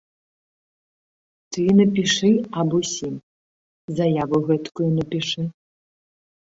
Ты напішы аб усім, заяву гэткую напішы.